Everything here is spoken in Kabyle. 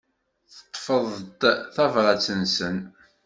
Teṭṭfeḍ-d tabrat-nsen.